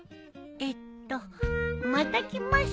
えっとまた来ます。